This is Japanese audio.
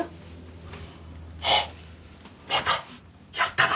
あっまたやったな。